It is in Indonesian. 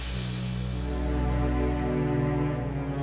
ibu sri sudah selesai menangkap ibu